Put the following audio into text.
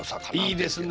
いいですね。